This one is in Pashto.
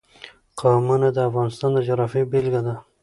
قومونه د افغانستان د جغرافیې بېلګه ده.